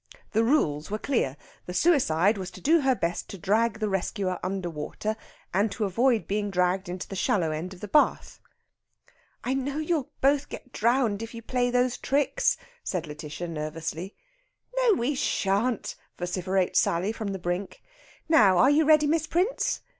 The rules were clear. The suicide was to do her best to drag the rescuer under water and to avoid being dragged into the shallow end of the bath. "I know you'll both get drowned if you play those tricks," says Lætitia nervously. "No we shan't," vociferates Sally from the brink. "Now, are you ready, Miss Prince?